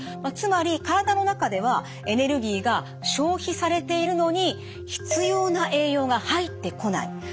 つまり体の中ではエネルギーが消費されているのに必要な栄養が入ってこない。